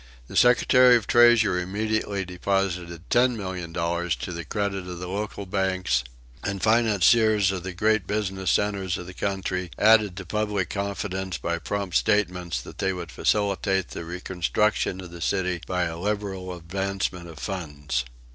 The Secretary of the Treasury immediately deposited $10,000,000 to the credit of the local banks, and financiers of the great business centres of the country added to public confidence by prompt statements that they would facilitate the reconstruction of the city by a liberal advancement of funds.